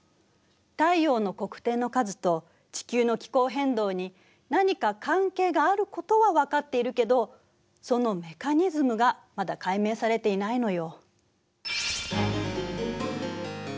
太陽の黒点の数と地球の気候変動に何か関係があることは分かっているけどそのメカニズムがまだ解明されていないのよ。